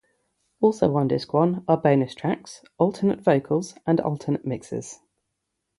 Also on disc one are bonus tracks, alternate vocals, and alternate mixes.